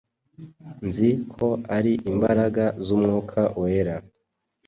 Nzi ko ari imbaraga z’Umwuka Wera